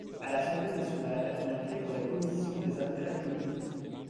A l’Assemblée nationale, il intègre la Commission des Affaires économiques.